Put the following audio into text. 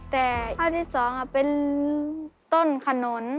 แต่ภาพที่สองเป็นต้นขนน